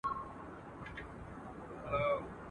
چي د ښارونو جنازې وژاړم.